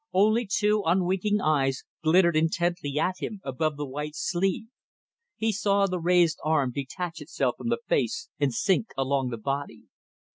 Only two unwinking eyes glittered intently at him above the white sleeve. He saw the raised arm detach itself from the face and sink along the body.